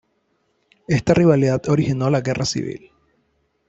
Esta rivalidad originó la guerra civil.